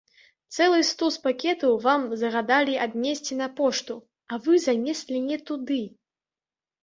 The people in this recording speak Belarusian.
Цэлы стус пакетаў вам загадалі аднесці на пошту, а вы занеслі не туды.